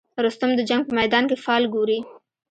رستم د جنګ په میدان کې فال ګوري.